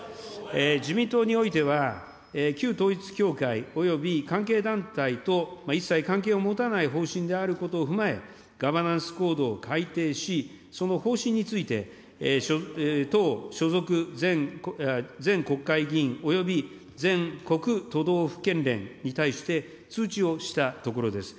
自民党においては、旧統一教会および関係団体と、一切関係を持たない方針であることを踏まえ、ガバナンス・コードを改定し、その方針について、党所属全国会議員および全国都道府県連に対して通知をしたところです。